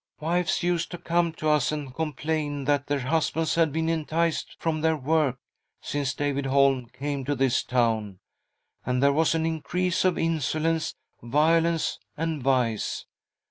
. Wives used to come to us and complain that their husbands had been enticed from their work since David Holm came to this town. And there was an increase of insolence, violence, and vice.